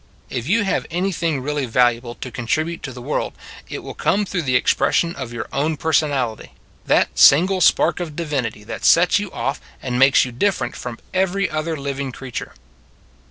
If you have anything really valuable to contribute to the world, it will come "They Say" 81 through the expression of your own per sonality^ that single spark of divinity that sets you off and makes you different from every other living creature.